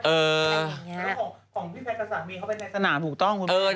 เออก็อย่างงี้มันของพี่แพพกับสามีเข้าไปในสนามถูกต้องคุณพี่